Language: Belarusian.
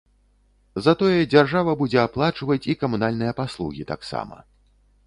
Затое дзяржава будзе аплачваць і камунальныя паслугі таксама.